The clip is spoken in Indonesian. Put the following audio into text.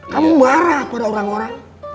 kamu marah pada orang orang